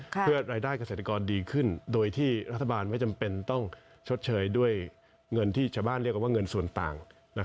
เพื่อรายได้เกษตรกรดีขึ้นโดยที่รัฐบาลไม่จำเป็นต้องชดเชยด้วยเงินที่ชาวบ้านเรียกว่าเงินส่วนต่าง